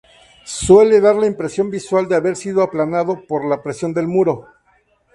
Suele dar la impresión visual de haber sido "aplanado" por la presión del muro.